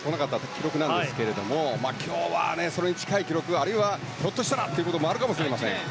記録なんですが今日は、それに近い記録あるいはひょっとしたらということもあるかもしれません。